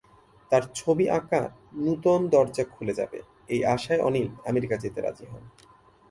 তার ছবি আঁকার নূতন দরজা খুলে যাবে, এই আশায় অনিল আমেরিকা যেতে রাজি হন।